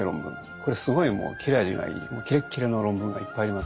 これすごいもう切れ味がいいキレッキレの論文がいっぱいあります。